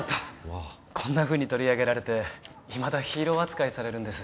あこんな風に取り上げられていまだヒーロー扱いされるんです